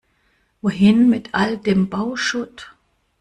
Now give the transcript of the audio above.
Wohin mit all dem Bauschutt?